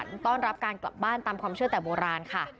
ต้อนรับการกลับบ้านตามความเชื่อแต่โบราณค่ะ